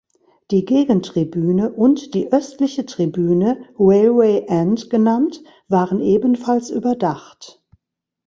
Die Gegentribüne und die östliche Tribüne, "Railway End" genannt, waren ebenfalls überdacht.